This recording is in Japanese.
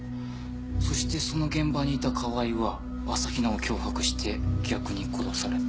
そしてその現場にいた川井は朝比奈を脅迫して逆に殺された。